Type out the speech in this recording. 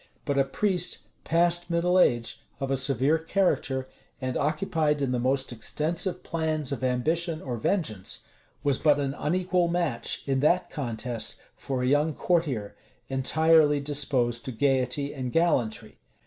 But a priest, past middle age, of a severe character, and occupied in the most extensive plans of ambition or vengeance, was but an unequal match, in that contest, for a young courtier, entirely disposed to gayety and gallantry.